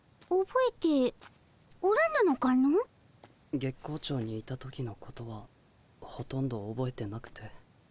月光町にいた時のことはほとんどおぼえてなくて。